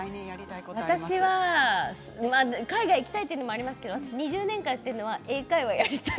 私は海外に行きたいというのもありますが私２０年間言っているのは英会話やりたい。